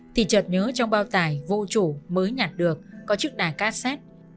thì trợt nhớ trong bao tài vô chủ mới nhặt được có chiếc đài cassette